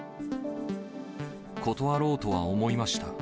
断ろうとは思いました。